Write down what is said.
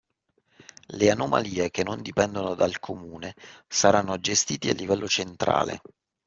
Le anomalie che non dipendono dal comune saranno gestite a livello centrale.